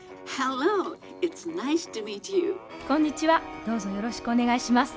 こんにちはどうぞよろしくお願いします。